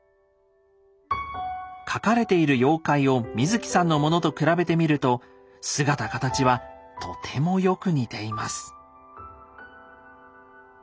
描かれている妖怪を水木さんのものと比べて見ると姿形はとてもよく似ています。